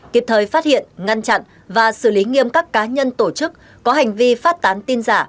kịp thời phát hiện ngăn chặn và xử lý nghiêm các cá nhân tổ chức có hành vi phát tán tin giả